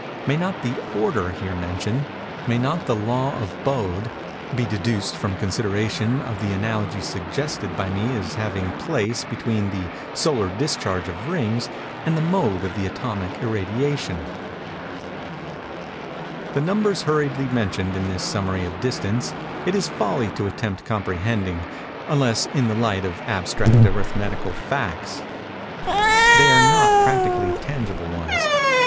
May not the order here mentioned—_may not the law of Bode—be deduced from consideration of the analogy suggested by me as having place between the solar discharge of rings and the mode of the atomic irradiation_? The numbers hurriedly mentioned in this summary of distance, it is folly to attempt comprehending, unless in the light of abstract arithmetical facts. They are not practically tangible ones.